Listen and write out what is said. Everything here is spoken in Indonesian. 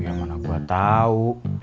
ya mana gue tau